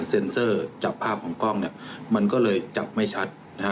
เซ็นเซอร์จากภาพของกล้องเนี่ยมันก็เลยจับไม่ชัดนะฮะ